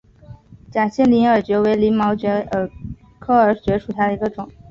假线鳞耳蕨为鳞毛蕨科耳蕨属下的一个种。